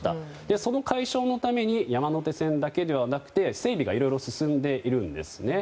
その解消のために山手線だけではなくて整備がいろいろ進んでいるんですね。